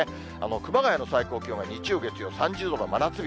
熊谷の最高気温が日曜、月曜、３０度の真夏日。